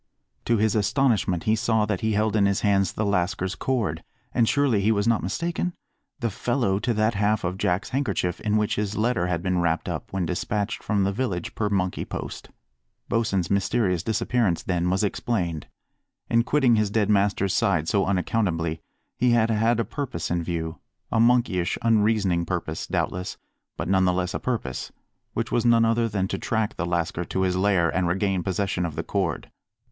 To his astonishment he saw that he held in his hands the lascar's cord, and surely he was not mistaken? the fellow to that half of Jack's handkerchief in which his letter had been wrapped up when despatched from the village per monkey post. Bosin's mysterious disappearance, then, was explained. In quitting his dead master's side so unaccountably he had had a purpose in view a monkeyish, unreasoning purpose, doubtless, but none the less a purpose which was none other than to track the lascar to his lair and regain possession of the cord.